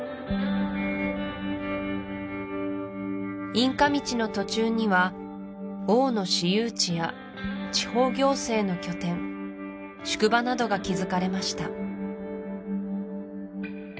インカ道の途中には王の私有地や地方行政の拠点宿場などが築かれました